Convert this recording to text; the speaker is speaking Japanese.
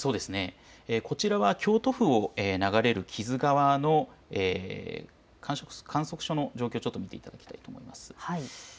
こちらは京都府を流れる木津川の観測所の状況を見ていきたいと思います。